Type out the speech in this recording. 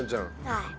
はい。